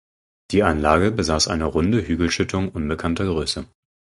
Die Anlage besaß eine runde Hügelschüttung unbekannter Größe.